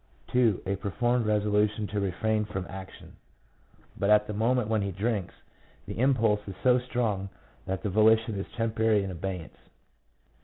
2. A pre formed resolution to refrain from action; but at the moment when he drinks, the impulse is so strong that the volition is temporarily in abeyance.